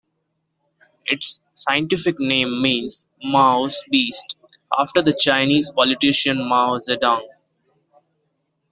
Its scientific name means "Mao's beast" after the Chinese politician Mao Zedong.